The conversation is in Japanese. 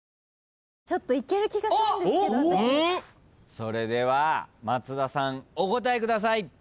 それでは松田さんお答えください。